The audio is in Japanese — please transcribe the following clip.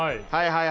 はい。